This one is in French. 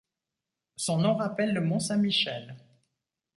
Son nom rappelle Le Mont-Saint-Michel.